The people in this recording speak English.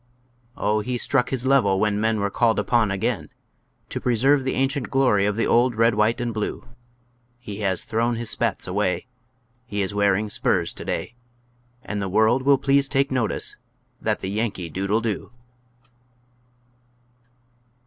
Oh, he struck his level when Men were called upon again To preserve the ancient glory of the old red, white, and blue! He has thrown his spats away, He is wearing spurs to day, And the world will please take notice that the Yankee dude'll do!